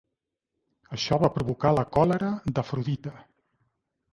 Això va provocar la còlera d'Afrodita.